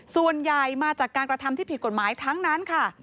ส่วนใหญ่มาจากการกระทำที่ผิดกฎหมายทั้งนั้นค่ะ